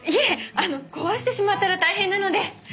あの壊してしまったら大変なので。